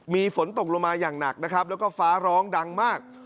มีฝนตกลงมาอย่างหนักนะครับแล้วก็ฟ้าร้องดังมาก